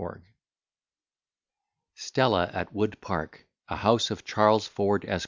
] STELLA AT WOOD PARK, A HOUSE OF CHARLES FORD, ESQ.